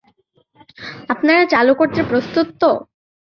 আপনারা চালু করতে প্রস্তুত তো?